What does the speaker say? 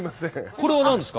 これは何ですか？